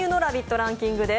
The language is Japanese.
ランキングです。